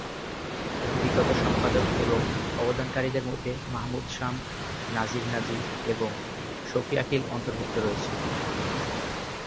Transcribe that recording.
বিগত সম্পাদক এবং অবদানকারীদের মধ্যে মাহমুদ শাম, নাজির নাজি এবং শফি আকিল অন্তর্ভুক্ত রয়েছে।